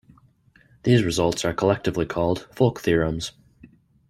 These results are collectively called "Folk Theorems".